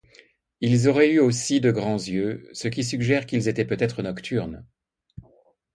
Ils auraient aussi eu de grands yeux, ce qui suggère qu’ils étaient peut-être nocturnes.